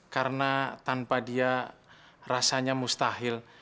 karena tanpa dia rasanya mustahil